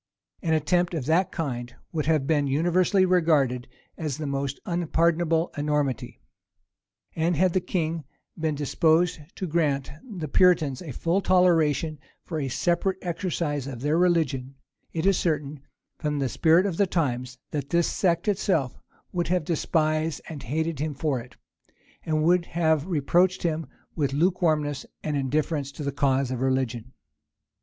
An attempt of that kind would have been universally regarded as the most unpardonable enormity. And had the king been disposed to grant the Puritans a full toleration for a separate exercise of their religion, it is certain, from the spirit of the times, that this sect itself would have despised and hated him for it, and would have reproached him with luke warmness and indifference in the cause of religion.